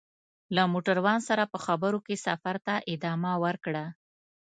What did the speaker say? له موټروان سره په خبرو کې سفر ته ادامه ورکړه.